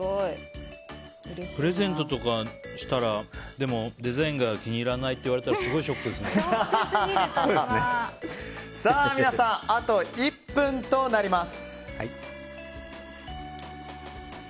プレゼントとかしてでも、デザインが気に入らないって言われたら皆さん、あと１分となります。